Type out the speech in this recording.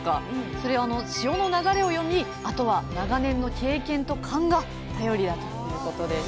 それ潮の流れを読みあとは長年の経験と勘が頼りだということです